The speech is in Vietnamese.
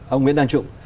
ông nguyễn đàn trụng